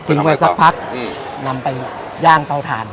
ทิ้งไว้สักพักนำไปย่างเตาถ่าน